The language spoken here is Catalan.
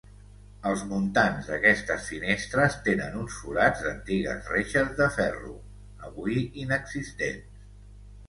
Els muntants d'aquestes finestres tenen uns forats d'antigues reixes de ferro avui inexistents.